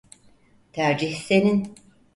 Tercih senin.